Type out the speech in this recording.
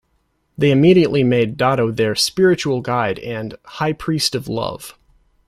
They immediately made Dado their "spiritual guide" and "high priest of love".